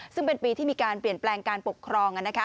ซึ่งเป็นปีที่มีการเปลี่ยนแปลงการปกครอง